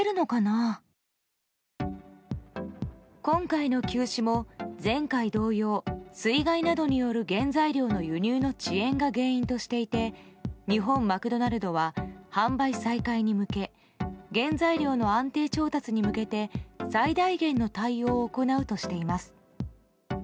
今回の休止も、前回同様水害などによる原材料の輸入の遅延が原因としていて日本マクドナルドは販売再開に向け原材料の安定調達に向けて最大限の対応を行うとしています。